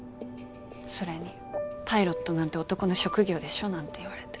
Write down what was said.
それにパイロットなんて男の職業でしょなんて言われて。